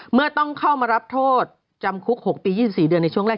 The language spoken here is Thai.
เมื่อต้องเข้ามารับโทษจำคุก๖ปี๒๔เดือนในช่วงแรก